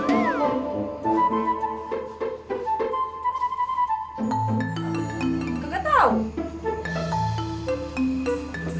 sini teman lo gua